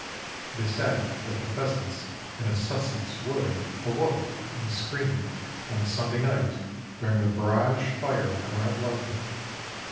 It is said that the pheasants in a Sussex wood awoke and screamed on Sunday night during the barrage fire around London.